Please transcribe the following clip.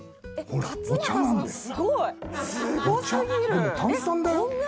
でも炭酸だよ？